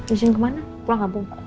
izin kemana pulang abu